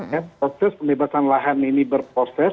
dan proses pembebasan lahan ini berproses